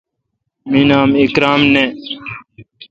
می نام اکرم نہ۔